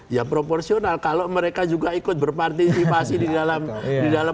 ya proporsional kalau mereka juga ikut berpartisipasi di dalam